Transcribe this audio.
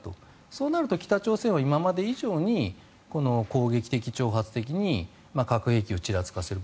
そうなると北朝鮮は今まで以上に攻撃的、挑発的に核兵器をちらつかせる。